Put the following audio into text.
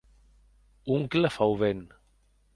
Oncle Fauvent.